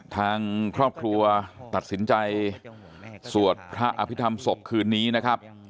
ทางครอบครัวตัดสินใจสวดพระอภิษฐรรมศพคืนนี้นะครับ